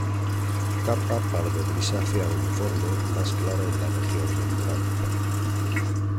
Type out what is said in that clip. Capa pardo-grisácea uniforme, más clara en la región ventral.